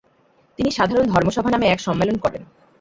তিনি সাধারণ ধর্মসভা নামে এক সম্মেলন করেন।